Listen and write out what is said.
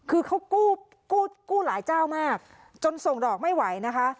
คือเขากู้หลายเจ้ามากจนส่งดอกไม่ไหวนะคะ